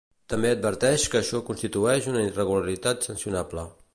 També adverteix que això constitueix una irregularitat sancionable.